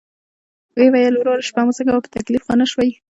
ویل یې: "وروره شپه مو څنګه وه، په تکلیف خو نه شوئ؟"